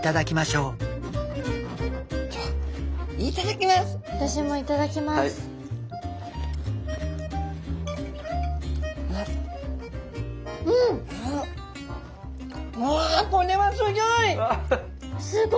うわこれはすギョい！